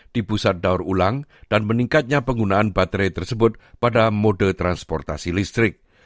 di pusat daur ulang dan meningkatnya penggunaan baterai tersebut pada mode transportasi listrik